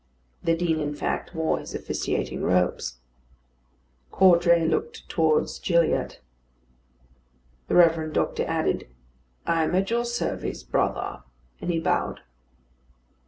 The Dean, in fact, wore his officiating robes. Caudray looked towards Gilliatt. The Reverend Doctor added, "I am at your service, brother;" and he bowed.